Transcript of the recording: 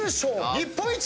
日本一！